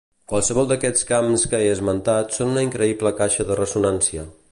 Qualsevol d'aquests camps que he esmentat són una increïble caixa de ressonància.